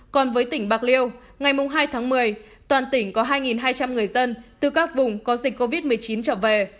còn với tỉnh bạc liêu ngày hai tháng một mươi toàn tỉnh có hai hai trăm linh người dân từ các vùng có dịch covid một mươi chín trở về